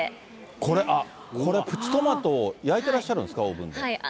これ、あっ、プチトマトを焼いてらっしゃるんですか、オーブンで。